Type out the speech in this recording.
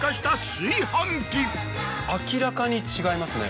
明らかに違いますね